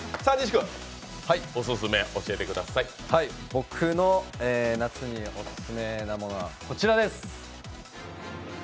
僕の「夏にオススメなもの」はこちらです。